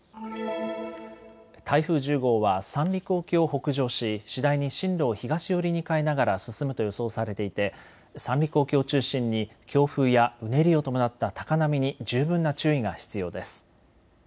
台風１０号は三陸沖を北上し次第に進路を東寄りに変えながら進むと予想されていて三陸沖を中心に強風やうねりを伴った高波に十分な注意が必要です。